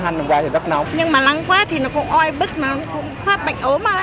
nhưng mà nắng quá thì nó cũng oi bức nó cũng phát bệnh ốm